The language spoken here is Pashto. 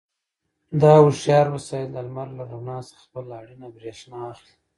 دا هوښیار وسایل د لمر له رڼا څخه خپله اړینه برېښنا اخلي.